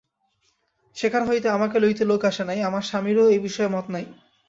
সেখানে হইতে আমাকে লইতে লোক আসে নাই, আমার স্বামীরও এ-বিষয়ে মত নাই।